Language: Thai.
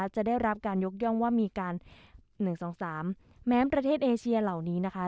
จะได้รับการยกย่องว่ามีการ๑๒๓แม้ประเทศเอเชียเหล่านี้นะคะ